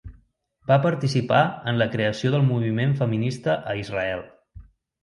Va participar en la creació del moviment feminista a Israel.